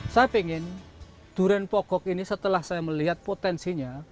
saya ingin durian pogok ini setelah saya melihat potensinya